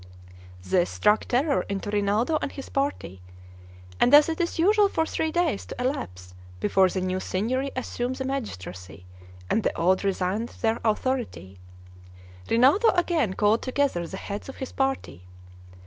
This struck terror into Rinaldo and his party; and as it is usual for three days to elapse before the new Signory assume the magistracy and the old resign their authority, Rinaldo again called together the heads of his party.